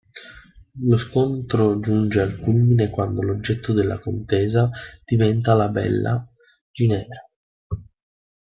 Lo scontro giunge al culmine quando l'oggetto della contesa diventa la bella Ginevra.